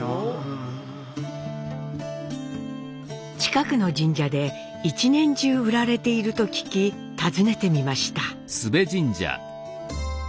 近くの神社で一年中売られていると聞き訪ねてみました。